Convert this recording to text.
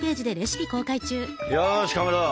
よしかまど